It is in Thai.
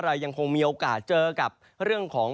เรายังคงมีโอกาสเจอกับเรื่องของ